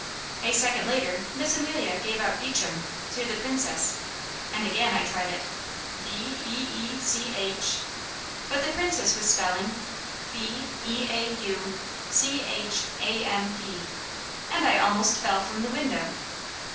A second later Miss Amelia gave out "Beecham" to the Princess, and again I tried it, b e e c h, but the Princess was spelling "B e a u c h a m p," and I almost fell from the window.